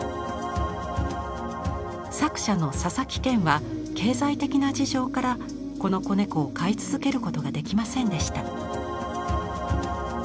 作者の佐々木健は経済的な事情からこの子猫を飼い続けることができませんでした。